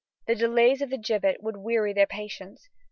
The delays of the gibbet would weary their patience.